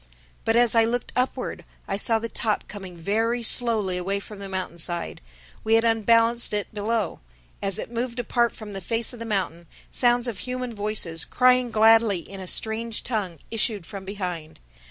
But as I looked upward, I saw the top coming very slowly away from the mountainside. We had unbalanced it below. As it moved apart from the face of the mountain, sounds of human voices, crying gladly in a strange tongue, issued from behind.